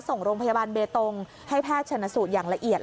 ส่งโรงพยาบาลเบตงให้แพทย์ชนสูตรอย่างละเอียด